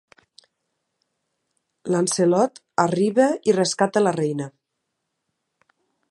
Lancelot arriba i rescata la reina.